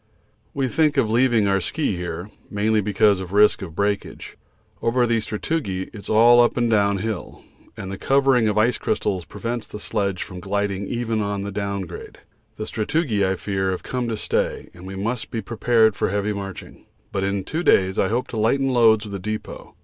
We think of leaving our ski here, mainly because of risk of breakage. Over the sastrugi it is all up and down hill, and the covering of ice crystals prevents the sledge from gliding even on the down grade. The sastrugi, I fear, have come to stay, and we must be prepared for heavy marching, but in two days I hope to lighten loads with a depot.